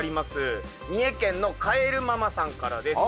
三重県のカエルママさんからです。